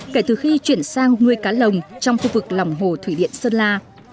kể từ khi chuyển sang nuôi cá lồng trong khu vực lòng hồ thủy điện sơn la